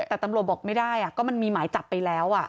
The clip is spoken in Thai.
แต่ตำรวจบอกไม่ได้ก็มันมีหมายจับไปแล้ว